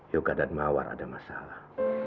yoga dan mawar ada masalah